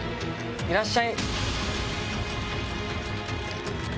いらっしゃ。